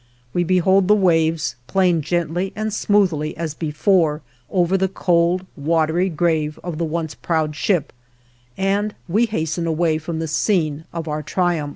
We behold the waves playing gently and smoothly as before over the cold, watery grave of the once proud ship and we hasten away from the scene of our triumph.